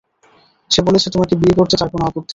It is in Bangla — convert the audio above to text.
সে বলেছে তোমাকে বিয়ে করতে তার কোন আপত্তি নেই।